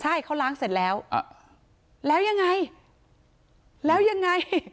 ใช่เขาล้างเสร็จแล้วแล้วยังไงแล้วยังไง